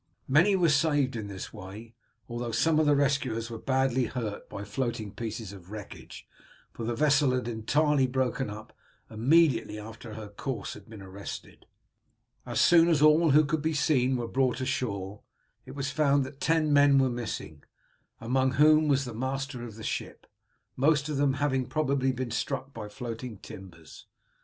Many were saved in this way, although some of the rescuers were badly hurt by floating pieces of wreckage, for the vessel had entirely broken up immediately after her course had been arrested. As soon as all who could be seen were brought ashore it was found that ten men were missing, among whom was the master of the ship, most of them having probably been struck by floating timbers.